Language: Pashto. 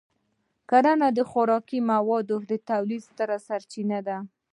کرنه د خوراکي موادو د تولید ستره سرچینه ده.